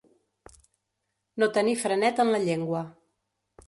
No tenir frenet en la llengua.